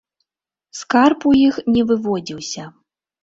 Скарб у іх не выводзіўся.